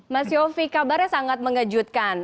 mas yofi kabarnya sangat mengejutkan